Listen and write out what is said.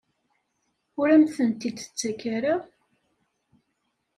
Ur am-tent-id-tettak ara?